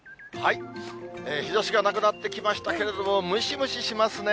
日ざしがなくなってきましたけれども、ムシムシしますね。